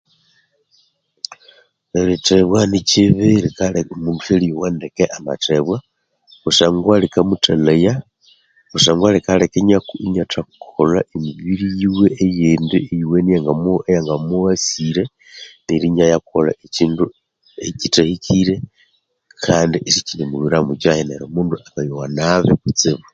Erithebwa ni kyibi likaleka omundu syaliyowa ndeke amathebwa kusangwa likamuthalhaya, kusangwa likaleka inathakolha emibiri yiwe eyindi eyowene eyanga mughasire neryo inayakolha ekyindu ekyithahikire kandi isikyirimulhwiramo kyahi neryo omundu akayowa nabi kutsibu.